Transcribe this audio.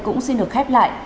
cũng xin được khép lại